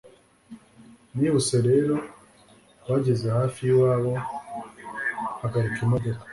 Nihuse rero twageze hafi yiwabo mpagarika imodoka